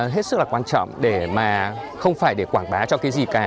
hết sức là quan trọng để mà không phải để quảng bá cho cái gì cả